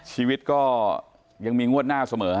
ชีวิตก็ยังมีงวดหน้าเสมอ